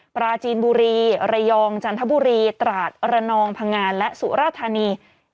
ปราจีนบุรีระยองจันทบุรีตราดระนองพังงานและสุราธานี